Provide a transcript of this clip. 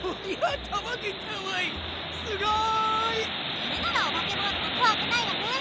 これならオバケモールもこわくないわね！